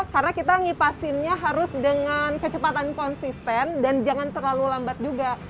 karena kita ngipasinnya harus dengan kecepatan konsisten dan jangan terlalu lambat juga